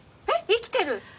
生きてる！